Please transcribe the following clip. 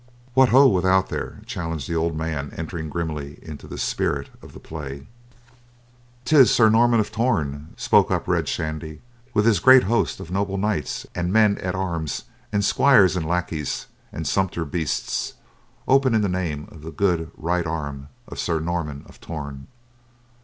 "What ho, without there!" challenged the old man entering grimly into the spirit of the play. "'Tis Sir Norman of Torn," spoke up Red Shandy, "with his great host of noble knights and men at arms and squires and lackeys and sumpter beasts. Open in the name of the good right arm of Sir Norman of Torn."